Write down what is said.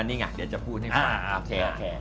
อันนี้ไงเดี๋ยวจะพูดให้ฟัง